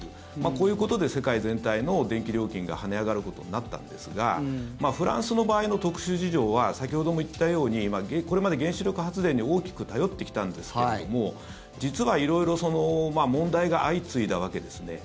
こういうことで世界全体の電気料金が跳ね上がることになったんですがフランスの場合の特殊事情は先ほども言ったようにこれまで原子力発電に大きく頼ってきたんですけれども実は色々問題が相次いだわけですね。